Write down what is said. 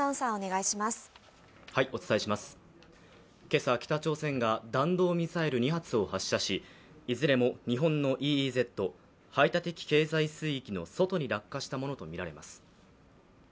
今朝、北朝鮮が弾道ミサイル２発を発射しいずれも日本のＥＥＺ＝排他的経済水域の外に落下したものとみられます。